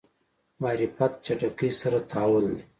معرفت چټکۍ سره تحول دی.